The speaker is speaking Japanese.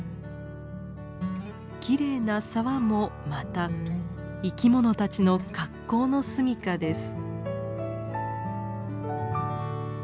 きれいな沢もまた生き物たちの格好のすみかです。